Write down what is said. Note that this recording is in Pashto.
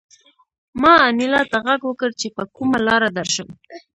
ما انیلا ته غږ وکړ چې په کومه لاره درشم